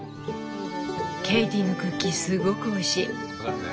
ケイティのクッキーすごくおいしい。